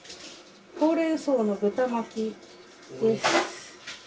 ほうれん草の豚巻きです。